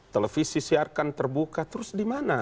televisi siarkan terbuka terus di mana